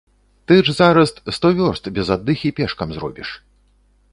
Ты ж зараз сто вёрст без аддыхі пешкам зробіш.